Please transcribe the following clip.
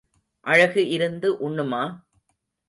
அழகு இருந்து உண்ணுமா?